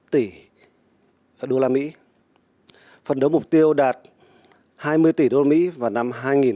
tỷ đô la mỹ phấn đấu mục tiêu đạt hai mươi tỷ đô la mỹ vào năm hai nghìn hai mươi